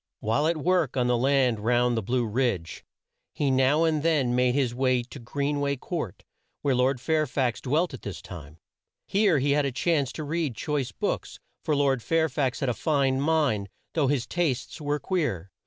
While at work on the land round the Blue Ridge, he now and then made his way to Green way Court where Lord Fair fax dwelt at this time. Here he had a chance to read choice books, for Lord Fair fax had a fine mind though his tastes were queer.